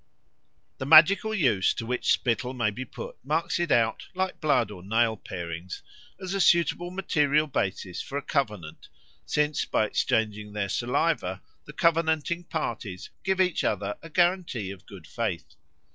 The magical use to which spittle may be put marks it out, like blood or nail parings, as a suitable material basis for a covenant, since by exchanging their saliva the covenanting parties give each other a guarantee of good faith.